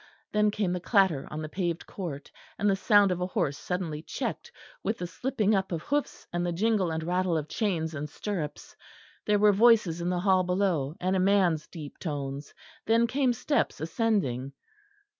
Then came the clatter on the paved court; and the sound of a horse suddenly checked with the slipping up of hoofs and the jingle and rattle of chains and stirrups. There were voices in the hall below, and a man's deep tones; then came steps ascending.